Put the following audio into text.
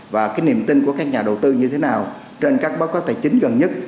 và cái niềm tin của các nhà đầu tư như thế nào trên các báo cáo tài chính gần nhất